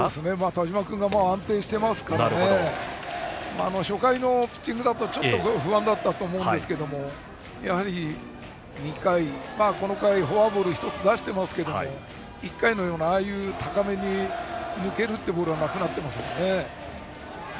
田嶋君が安定していますから初回のピッチングだとちょっと不安だったと思いますがこの回フォアボールを１つ出していますけど１回のような高めに抜けるボールはなくなっていますね。